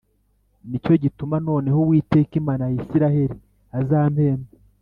Ni cyo gituma noneho Uwiteka Imana ya Isirayeli azampemba